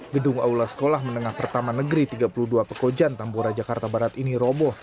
gedung aula sekolah menengah pertama negeri tiga puluh dua pekojan tambora jakarta barat ini roboh